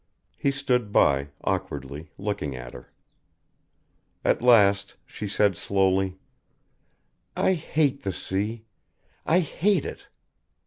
He stood by, awkwardly looking at her. At last she said slowly, "I hate the sea.... I hate it.